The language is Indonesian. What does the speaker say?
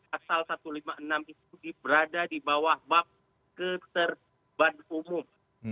pasal satu ratus lima puluh enam itu berada di bawah bab ketertiban umum